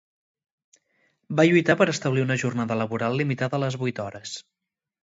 Va lluitar per establir una jornada laboral limitada a les vuit hores.